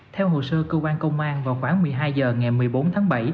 theo hồ sơ cơ quan công an vào khoảng một mươi hai h ngày một mươi bốn tháng bảy